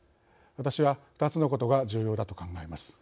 私は、２つのことが重要だと考えます。